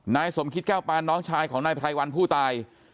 นายสมคิดแก้วปานน้องชายของนายไพรวันผู้ตาย